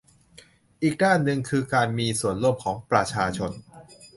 อีกด้านหนึ่งคือการมีส่วนร่วมของประชาชน